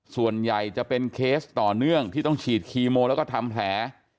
ส่วนใหญ่จะเป็นเคสต่อเนื่องที่ต้องฉีดคีโมแล้วก็ทำแผล